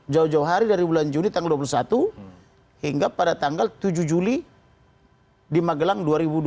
jauh jauh hari dari bulan juni tanggal dua puluh satu hingga pada tanggal tujuh juli di magelang dua ribu dua puluh